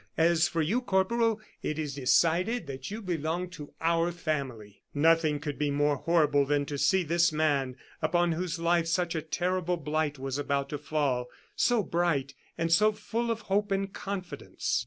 As for you, corporal, it is decided that you belong to our family." Nothing could be more horrible than to see this man, upon whose life such a terrible blight was about to fall, so bright and full of hope and confidence.